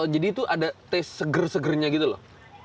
jadi itu ada taste seger segernya gitu loh